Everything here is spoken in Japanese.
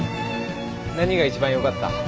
何が一番よかった？